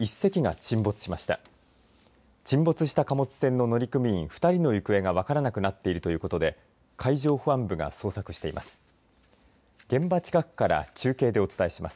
沈没した貨物船の乗組員２人の行方が分からなくなってるということで海上保安部が捜索しています。